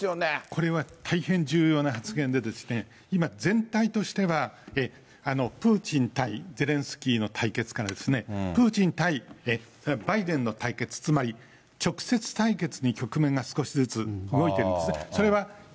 これは大変重要な発言で、今、全体としては、プーチン対ゼレンスキーの対決から、プーチン対バイデンの対決、つまり直接対決に局面が少しずつ動いてるんですね。